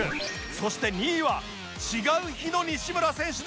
そして２位は違う日の西村選手なんです